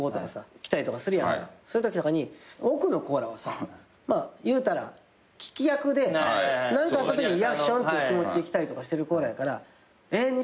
そういうときとかに奥の子らはいうたら聞き役で何かあったときにリアクションっていう気持ちで来たりとかしてる子らやから「西川さんって幾つなんですか？」